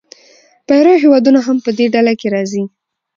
پیرو هېوادونه هم په دې ډله کې راځي.